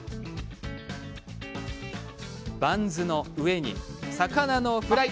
バンズの上に魚のフライ。